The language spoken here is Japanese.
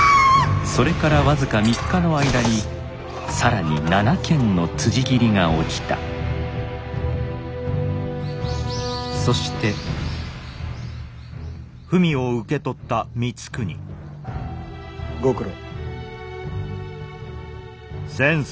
それから僅か３日の間に更に７件のつじ斬りが起きたそしてご苦労。